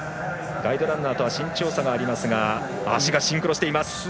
ガイドランナーとは身長差がありますが足がシンクロしています。